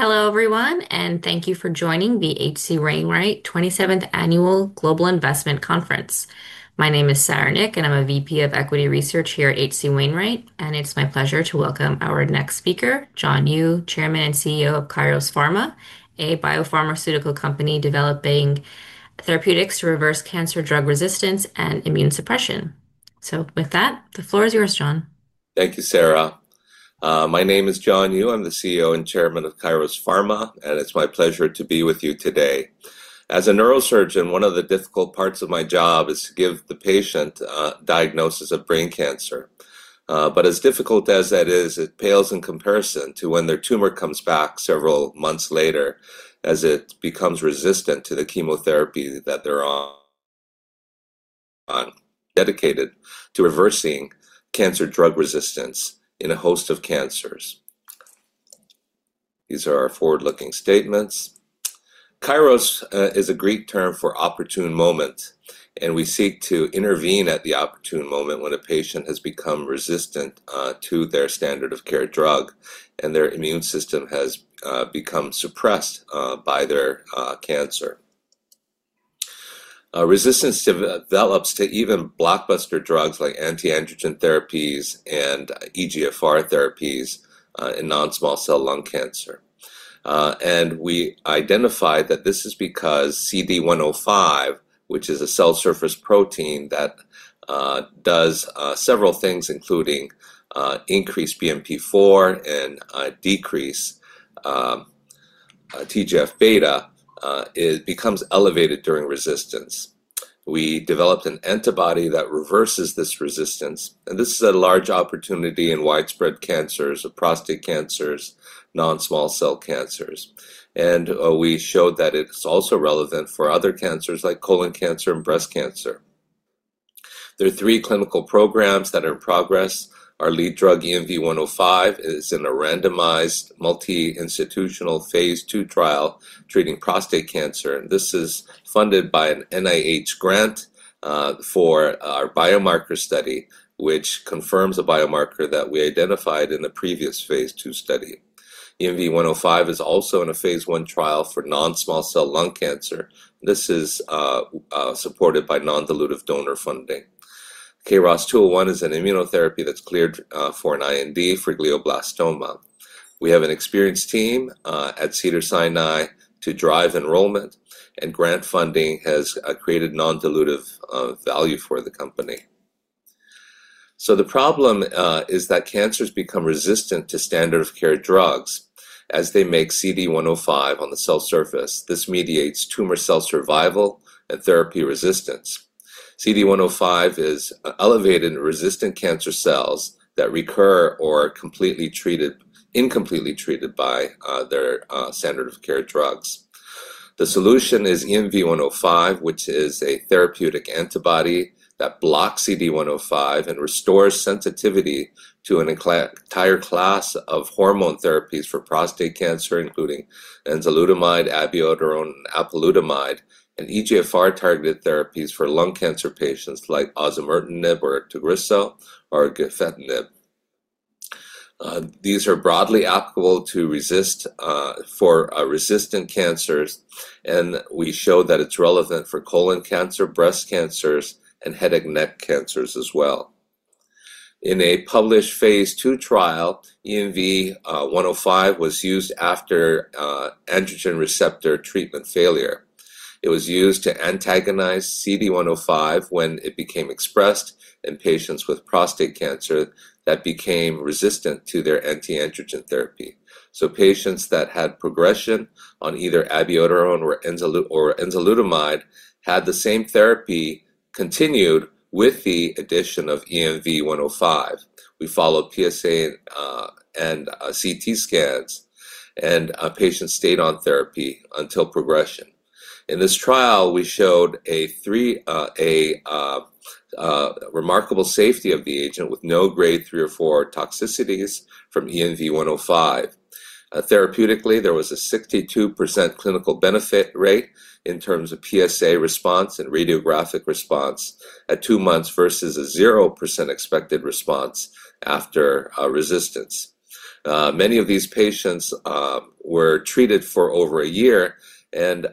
Hello everyone, and thank you for joining the HC Wainwright 27th Annual Global Investment Conference. My name is Sara Nik, and I'm a VP of Equity Research here at HC Wainwright. It's my pleasure to welcome our next speaker, John Yu, Chairman and CEO of Kairos Pharma, a biopharmaceutical company developing therapeutics to reverse cancer drug resistance and immune suppression. With that, the floor is yours, John. Thank you, Sara. My name is John Yu. I'm the CEO and Chairman of Kairos Pharma, and it's my pleasure to be with you today. As a neurosurgeon, one of the difficult parts of my job is to give the patient a diagnosis of brain cancer. As difficult as that is, it pales in comparison to when their tumor comes back several months later, as it becomes resistant to the chemotherapy that they're on. I'm dedicated to reversing cancer drug resistance in a host of cancers. These are our forward-looking statements. Kairos is a Greek term for opportune moment, and we seek to intervene at the opportune moment when a patient has become resistant to their standard-of-care drug and their immune system has become suppressed by their cancer. Resistance develops to even blockbuster drugs like anti-androgen therapies and EGFR therapies in non-small cell lung cancer. We identify that this is because CD105, which is a cell surface protein that does several things, including increase BMP4 and decrease TGF-beta, becomes elevated during resistance. We developed an antibody that reverses this resistance, and this is a large opportunity in widespread cancers of prostate cancers, non-small cell cancers. We showed that it's also relevant for other cancers like colon cancer and breast cancer. There are three clinical programs that are in progress. Our lead drug, ENV105, is in a randomized multi-institutional phase II trial treating prostate cancer. This is funded by an NIH grant for our biomarker study, which confirms a biomarker that we identified in the previous phase II study. EnV-105 is also in a phase I trial for non-small cell lung cancer. This is supported by non-dilutive donor funding. KROS 201 is an immunotherapy that's cleared for an IND for glioblastoma. We have an experienced team at Cedars-Sinai to drive enrollment, and grant funding has created non-dilutive value for the company. The problem is that cancers become resistant to standard-of-care drugs as they make CD105 on the cell surface. This mediates tumor cell survival and therapy resistance. CD105 is elevated in resistant cancer cells that recur or are incompletely treated by their standard-of-care drugs. The solution is ENV105, which is a therapeutic antibody that blocks CD105 and restores sensitivity to an entire class of hormone therapies for prostate cancer, including enzalutamide, amiodarone, and apalutamide, and EGFR-targeted therapies for lung cancer patients like osimertinib or Tagrisso, or gefitinib. These are broadly applicable for resistant cancers, and we showed that it's relevant for colon cancer, breast cancers, and head and neck cancers as well. In a published phase II trial, ENV105 was used after androgen receptor treatment failure. It was used to antagonize CD105 when it became expressed in patients with prostate cancer that became resistant to their anti-androgen therapy. Patients that had progression on either amiodarone or enzalutamide had the same therapy continued with the addition of ENV105. We followed PSA and CT scans, and patients stayed on therapy until progression. In this trial, we showed a remarkable safety of the agent with no Grade 3 or 4 toxicities from ENV105. Therapeutically, there was a 62% clinical benefit rate in terms of PSA response and radiographic response at two months versus a 0% expected response after resistance. Many of these patients were treated for over a year, and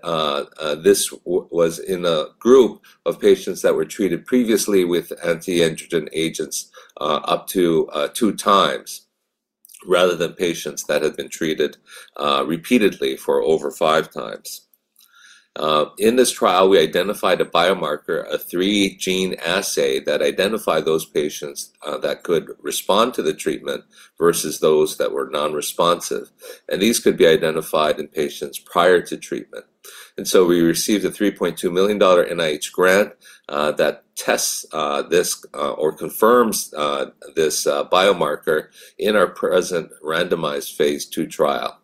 this was in a group of patients that were treated previously with anti-androgen agents up to 2x, rather than patients that had been treated repeatedly for over 5x. In this trial, we identified a biomarker, a three-gene assay that identified those patients that could respond to the treatment versus those that were non-responsive. These could be identified in patients prior to treatment. We received a $3.2 million NIH grant that tests this or confirms this biomarker in our present randomized phase II trial.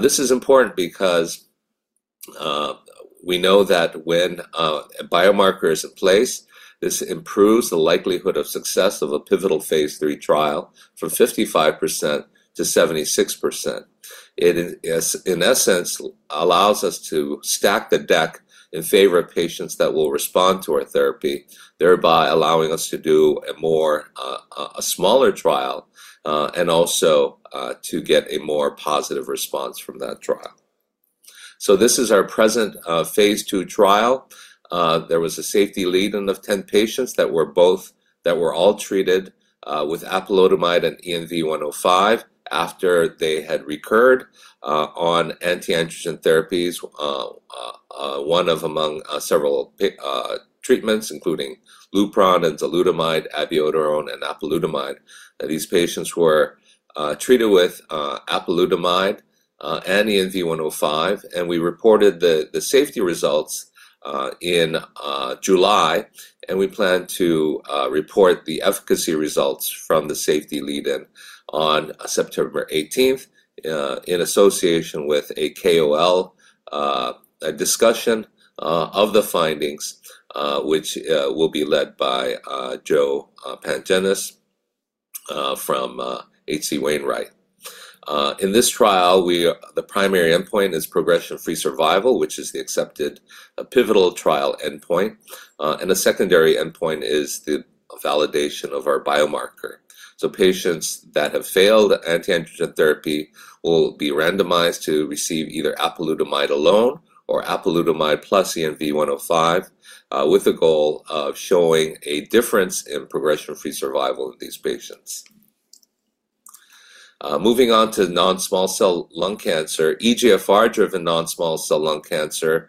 This is important because we know that when a biomarker is in place, this improves the likelihood of success of a pivotal phase III trial from 55%- 76%. It, in essence, allows us to stack the deck in favor of patients that will respond to our therapy, thereby allowing us to do a smaller trial and also to get a more positive response from that trial. This is our present phase II trial. There was a safety lead in the 10 patients that were all treated with apalutamide and ENV105 after they had recurred on anti-androgen therapies, one of among several treatments, including Lupron, enzalutamide, amiodarone, and apalutamide. These patients were treated with apalutamide and ENV105, and we reported the safety results in July. We plan to report the efficacy results from the safety lead-in on September 18th in association with a KOL discussion of the findings, which will be led by Joe Pantginis from HC Wainwright. In this trial, the primary endpoint is progression-free survival, which is the accepted pivotal trial endpoint, and the secondary endpoint is the validation of our biomarker. Patients that have failed anti-androgen therapy will be randomized to receive either apalutamide alone or apalutamide plus ENV105 with the goal of showing a difference in progression-free survival of these patients. Moving on to non-small cell lung cancer, EGFR-driven non-small cell lung cancer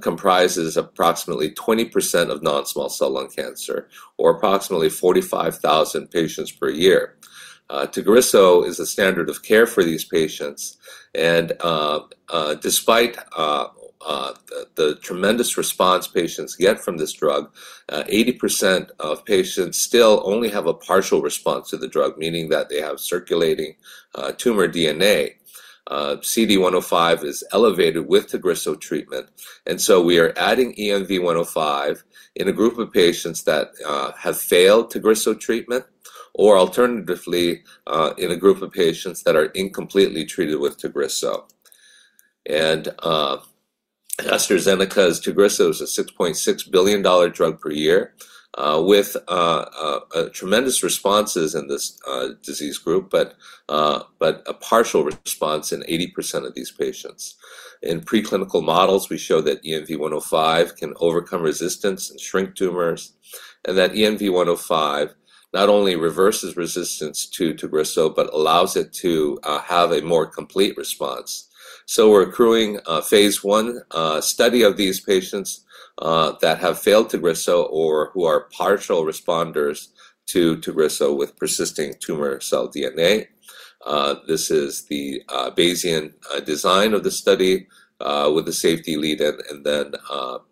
comprises approximately 20% of non-small cell lung cancer, or approximately 45,000 patients per year. Tagrisso is a standard of care for these patients, and despite the tremendous response patients get from this drug, 80% of patients still only have a partial response to the drug, meaning that they have circulating tumor DNA. CD105 is elevated with Tagrisso treatment, and we are adding ENV105 in a group of patients that have failed Tagrisso treatment, or alternatively in a group of patients that are incompletely treated with Tagrisso. AstraZeneca's Tagrisso is a $6.6 billion drug per year with tremendous responses in this disease group, but a partial response in 80% of these patients. In preclinical models, we show that ENV105 can overcome resistance and shrink tumors, and that ENV105 not only reverses resistance to Tagrisso but allows it to have a more complete response. We are accruing a phase I study of these patients that have failed Tagrisso or who are partial responders to Tagrisso with persisting tumor cell DNA. This is the Bayesian design of the study with the safety lead-in, and then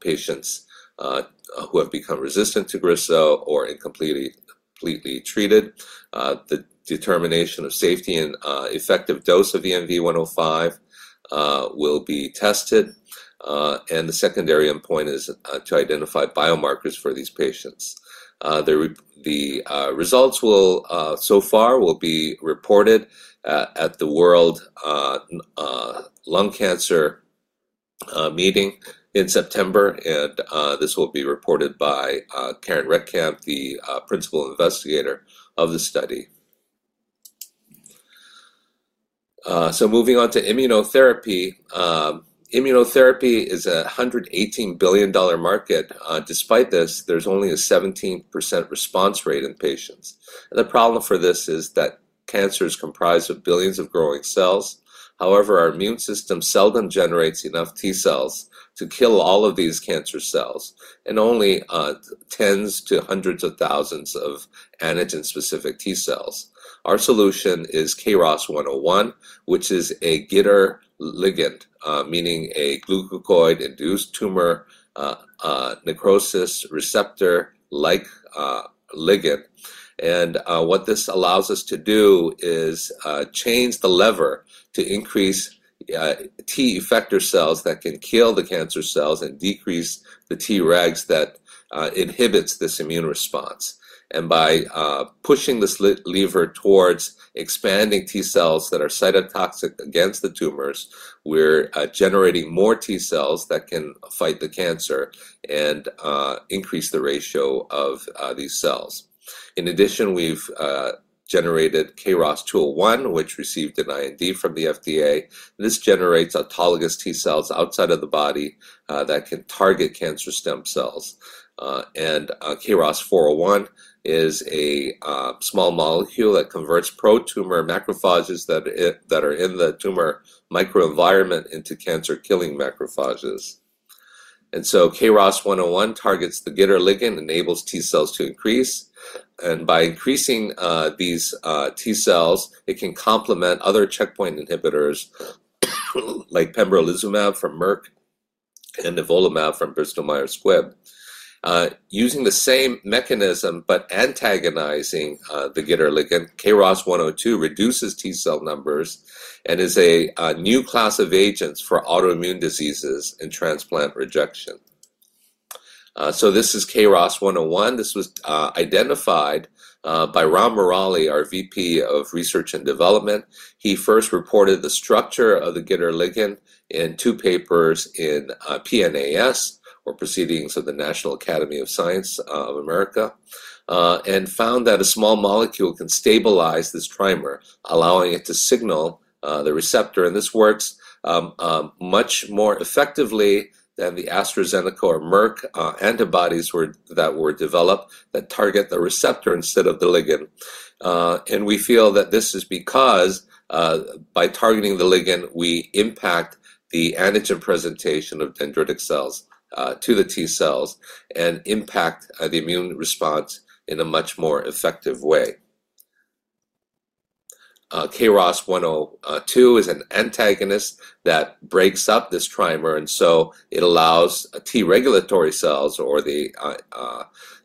patients who have become resistant to Tagrisso or incompletely treated. The determination of safety and effective dose of ENV105 will be tested, and the secondary endpoint is to identify biomarkers for these patients. The results so far will be reported at the World Lung Cancer Meeting in September, and this will be reported by Karen Reckamp, the principal investigator of the study. Moving on to immunotherapy, immunotherapy is a $118 billion market. Despite this, there's only a 17% response rate in patients. The problem for this is that cancers comprise billions of growing cells. However, our immune system seldom generates enough T cells to kill all of these cancer cells, and only tens to hundreds of thousands of antigen-specific T cells. Our solution is KROS 101, which is a GITR ligand, meaning a glucose-induced tumor necrosis receptor-like ligand. What this allows us to do is change the lever to increase T effector cells that can kill the cancer cells and decrease the T regs that inhibit this immune response. By pushing this lever towards expanding T cells that are cytotoxic against the tumors, we're generating more T cells that can fight the cancer and increase the ratio of these cells. In addition, we've generated KROS 201, which received an IND from the FDA. This generates autologous T cells outside of the body that can target cancer stem cells. KROS 401 is a small molecule that converts pro-tumor macrophages that are in the tumor microenvironment into cancer-killing macrophages. KROS 101 targets the GITR ligand and enables T cells to increase. By increasing these T cells, it can complement other checkpoint inhibitors like pembrolizumab from Merck and nivolumab from Bristol Myers Squibb. Using the same mechanism but antagonizing the GITR ligand, KROS 102 reduces T cell numbers and is a new class of agents for autoimmune diseases and transplant rejection. This is KROS 101. This was identified by Ram Murali, our VP of Research and Development. He first reported the structure of the GITR ligand in two papers in PNAS, or Proceedings of the National Academy of Sciences of America, and found that a small molecule can stabilize this primer, allowing it to signal the receptor. This works much more effectively than the AstraZeneca or Merck antibodies that were developed that target the receptor instead of the ligand. We feel that this is because by targeting the ligand, we impact the antigen presentation of dendritic cells to the T cells and impact the immune response in a much more effective way. KROS 102 is an antagonist that breaks up this primer, and it allows T regulatory cells or the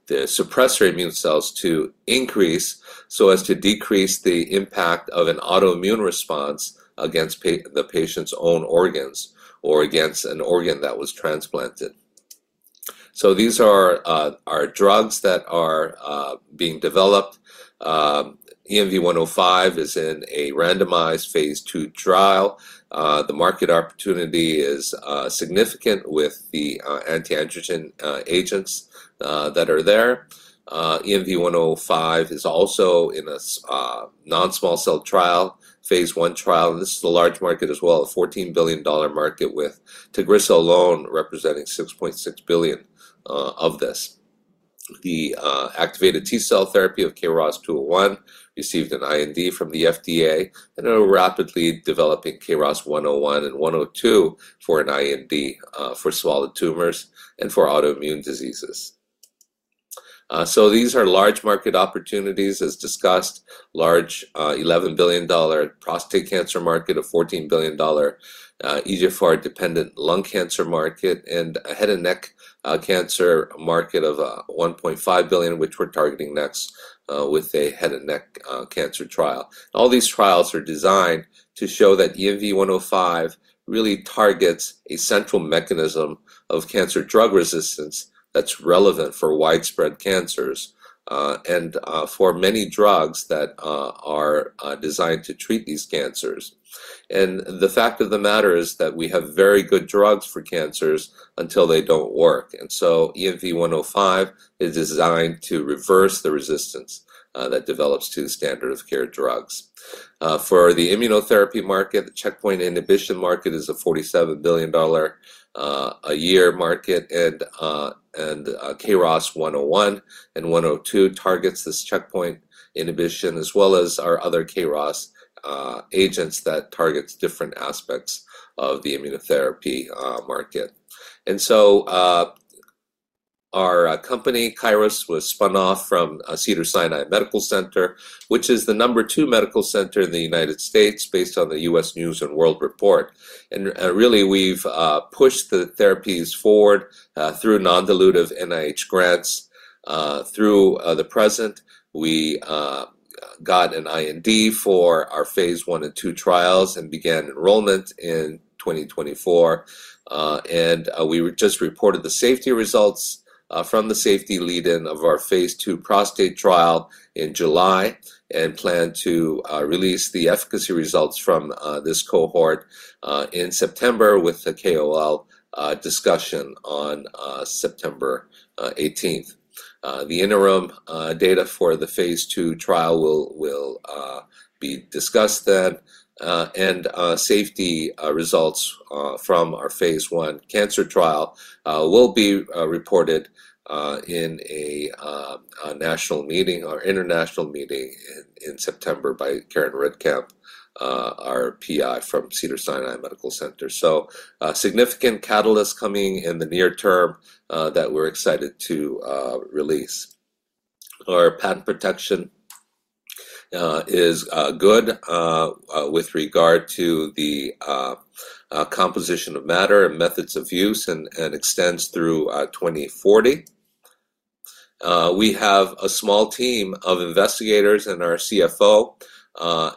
suppressor immune cells to increase to decrease the impact of an autoimmune response against the patient's own organs or against an organ that was transplanted. These are our drugs that are being developed. ENV105 is in a randomized phase II trial. The market opportunity is significant with the anti-androgen agents that are there. ENV105 is also in a non-small cell trial, phase I trial, and this is a large market as well, a $14 billion market with Tagrisso alone representing $6.6 billion of this. The activated T cell therapy of KROS 201 received an IND from the FDA, and we're rapidly developing KROS 101 and 102 for an IND for small tumors and for autoimmune diseases. These are large market opportunities as discussed, a large $11 billion prostate cancer market, a $14 billion EGFR-dependent lung cancer market, and a head and neck cancer market of $1.5 billion, which we're targeting next with a head and neck cancer trial. All these trials are designed to show that ENV105 really targets a central mechanism of cancer drug resistance that's relevant for widespread cancers and for many drugs that are designed to treat these cancers. The fact of the matter is that we have very good drugs for cancers until they don't work. ENV105 is designed to reverse the resistance that develops to standard-of-care drugs. For the immunotherapy market, the checkpoint inhibition market is a $47 billion a year market, and KROS 101 and 102 targets this checkpoint inhibition as well as our other Kairos agents that target different aspects of the immunotherapy market. Our company, Kairos, was spun off from Cedars-Sinai Medical Center, which is the number two medical center in the United States based on the U.S. News and World Report. We've pushed the therapies forward through non-dilutive NIH grants. Through the present, we got an IND for our phase I and II trials and began enrollment in 2024. We just reported the safety results from the safety lead-in of our phase II prostate trial in July and plan to release the efficacy results from this cohort in September with the KOL discussion on September 18th. The interim data for the phase II trial will be discussed then, and safety results from our phase I cancer trial will be reported in a national meeting or international meeting in September by Karen Reckamp, our PI from Cedars-Sinai Medical Center. Significant catalysts are coming in the near term that we're excited to release. Our patent protection is good with regard to the composition of matter and methods of use and extends through 2040. We have a small team of investigators and our CFO,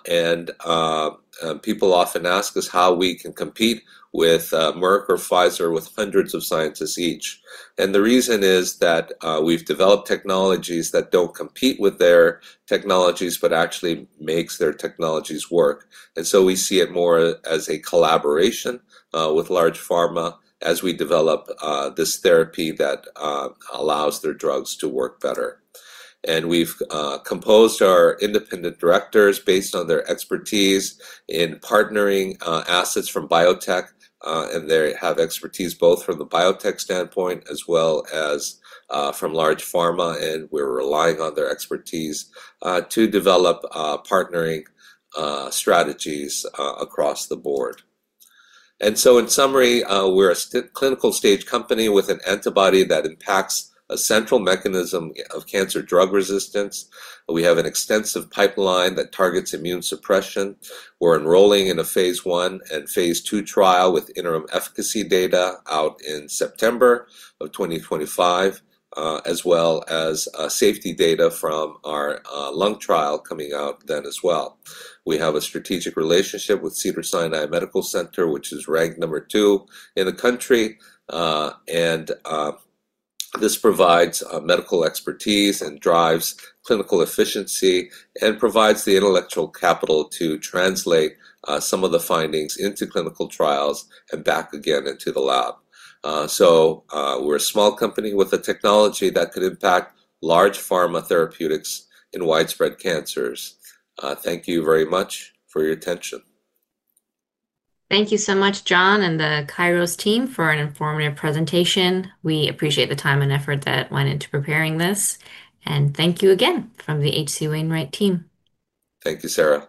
and people often ask us how we can compete with Merck or Pfizer with hundreds of scientists each. The reason is that we've developed technologies that don't compete with their technologies but actually make their technologies work. We see it more as a collaboration with large pharma as we develop this therapy that allows their drugs to work better. We've composed our independent directors based on their expertise in partnering assets from biotech, and they have expertise both from the biotech standpoint as well as from large pharma. We're relying on their expertise to develop partnering strategies across the board. In summary, we're a clinical stage company with an antibody that impacts a central mechanism of cancer drug resistance. We have an extensive pipeline that targets immune suppression. We're enrolling in a phase I and phaseII trial with interim efficacy data out in September 2025, as well as safety data from our lung trial coming up then as well. We have a strategic relationship with Cedars-Sinai Medical Center, which is ranked number two in the country, and this provides medical expertise and drives clinical efficiency and provides the intellectual capital to translate some of the findings into clinical trials and back again into the lab. We're a small company with a technology that could impact large pharma therapeutics in widespread cancers. Thank you very much for your attention. Thank you so much, John, and the Kairos team for an informative presentation. We appreciate the time and effort that went into preparing this, and thank you again from the HC Wainwright team. Thank you, Sarah.